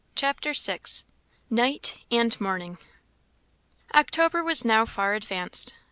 CHAPTER VI. Night and Morning. October was now far advanced.